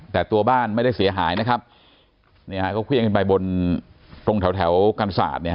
แต่ตัวบ้านไม่ได้เสียหายนะครับเนี่ยก็เคลื่อนไปบนตรงแถวกรรษาท